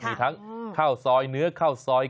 มีทั้งข้าวซอยเนื้อข้าวซอย